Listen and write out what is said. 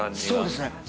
そうですね。